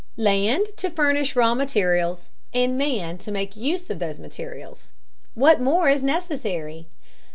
Land to furnish raw materials, and man to make use of those materials, what more is necessary?